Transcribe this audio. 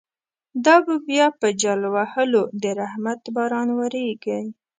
دابه بیا په جل وهلو، درحمت باران وریږی